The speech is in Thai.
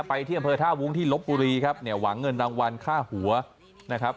ที่อำเภอท่าวุ้งที่ลบบุรีครับเนี่ยหวังเงินรางวัลค่าหัวนะครับ